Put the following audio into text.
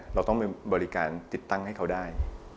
เราต้องไปบริการติดตั้งให้เขาได้